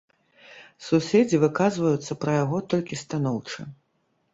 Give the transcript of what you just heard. Суседзі выказваюцца пра яго толькі станоўча.